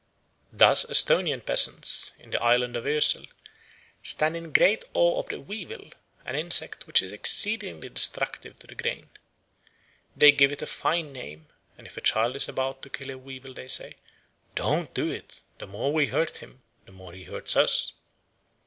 Thus Esthonian peasants, in the island of Oesel, stand in great awe of the weevil, an insect which is exceedingly destructive to the grain. They give it a fine name, and if a child is about to kill a weevil they say, "Don't do it; the more we hurt him, the more he hurts us."